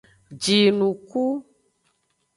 Jinuku.